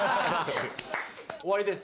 終わりです。